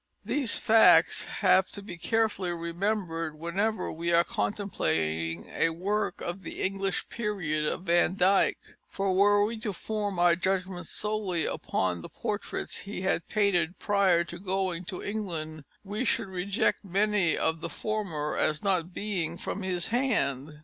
These facts have to be carefully remembered whenever we are contemplating a work of the English period of Van Dyck, for were we to form our judgment solely upon the portraits he had painted prior to going to England we should reject many of the former as not being from his hand.